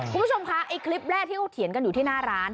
คุณผู้ชมคะไอ้คลิปแรกที่เขาเถียงกันอยู่ที่หน้าร้าน